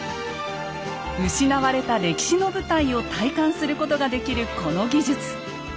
失われた歴史の舞台を体感することができるこの技術。